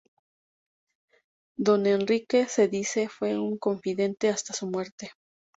Don Henrique se dice fue su confidente hasta su muerte.